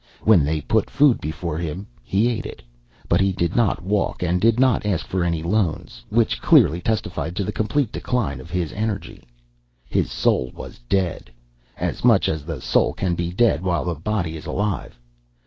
When they put food before him, he ate it, but he did not walk and did not ask for any loans, which clearly testified to the complete decline of his energy. His soul was dead as much as the soul can be dead while the body is alive.